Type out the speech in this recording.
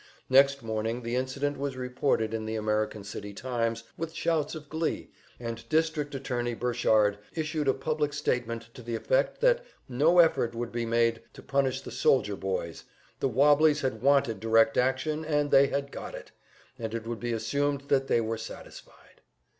Next morning the incident was reported in the American City "Times" with shouts of glee, and District attorney Burchard issued a public statement to the effect that no effort would be made to punish the soldier boys; the "wobblies" had wanted "direct action," and they had got it, and it would be assumed that they were satisfied.